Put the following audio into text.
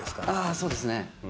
そうですね。